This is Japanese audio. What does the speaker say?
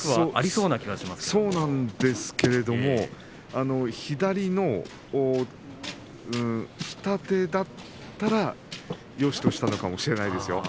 そうなんですけども左の下手だったらよしとしたのかもしれません。